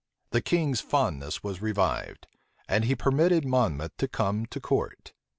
The king's fondness was revived; and he permitted Monmouth to come to court.